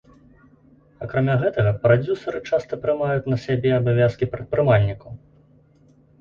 Акрамя гэтага, прадзюсары часта прымаюць на сябе абавязкі прадпрымальнікаў.